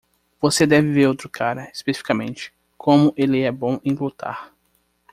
Você deve ver o outro cara? especificamente? como ele é bom em lutar.